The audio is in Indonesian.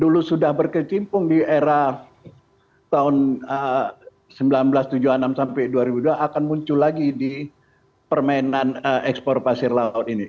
dulu sudah berkecimpung di era tahun seribu sembilan ratus tujuh puluh enam sampai dua ribu dua akan muncul lagi di permainan ekspor pasir laut ini